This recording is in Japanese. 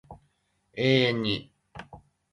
永遠に